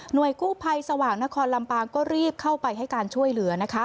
โดยกู้ภัยสว่างนครลำปางก็รีบเข้าไปให้การช่วยเหลือ